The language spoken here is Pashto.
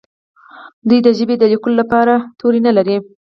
دوی د ژبې د لیکلو لپاره توري نه لري.